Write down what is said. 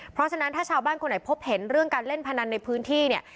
เพราะฉะนั้นถ้าชาวบ้านคนไหนพบเห็นเรื่องการเล่นพนันในพื้นที่เนี่ย